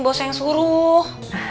bos yang suruh